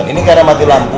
ini karena mati lampu